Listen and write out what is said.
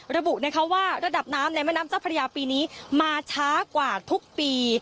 ระบุนะคะว่าระดับน้ำในแม่น้ำเจ้าพระยาปีนี้มาช้ากว่าทุกปี